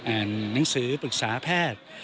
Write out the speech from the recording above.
อ่านหนังสือปรึกษาแพทย์